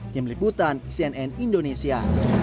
tim liputan cnn indonesia